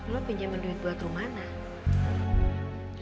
lo minjem duit buat rumah ana